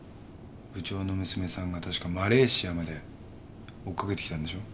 部長の娘さんが確かマレーシアまで追っかけてきたんでしょ？